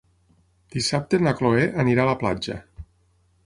Dissabte na Cloè anirà a la platja.